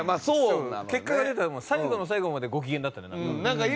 結果が出たら最後の最後までご機嫌だったねなんか。